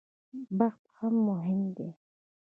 بخت هم مهم دی.